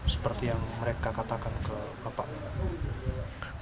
seperti yang mereka katakan ke bapak